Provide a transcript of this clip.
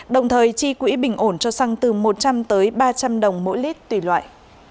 đồng thời chi quỹ bình ổn cho xăng từ một trăm linh tới ba trăm linh đồng mỗi lít tùy loại